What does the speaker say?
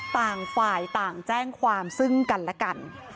ต่างฝ่ายต่างแจ้งความซึ่งกันและกัน